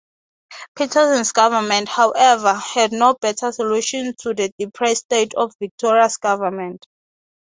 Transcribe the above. Patterson's government, however, had no better solutions to the depressed state of Victoria's government.